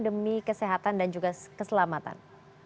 demi kesehatan dan juga keselamatan